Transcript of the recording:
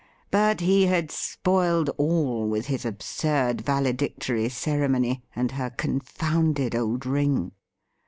But he had spoiled all with his absurd valedictory ceremony and her confounded old ring.